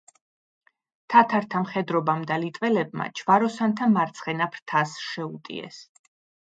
თათართა მხედრობამ და ლიტველებმა ჯვაროსანთა მარცხენა ფრთას შეუტიეს.